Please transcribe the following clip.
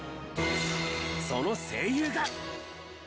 その声優が。